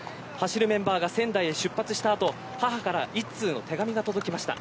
メンバーが仙台へ出発した後母から一通の手紙が届きました。